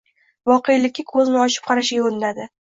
voqelikka ko‘zni ochib qarashiga undadi.